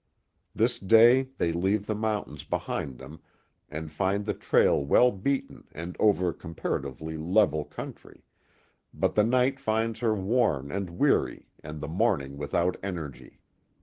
This day they leave the mountains behind them and find the trail well beaten and over comparatively level country, but the night finds her worn and weary and the morning with out energy.